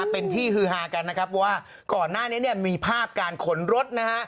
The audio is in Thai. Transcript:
เป็นที่ฮือฮากันนะครับว่าก่อนหน้านี้เนี่ยมีภาพการขนรถนะฮะ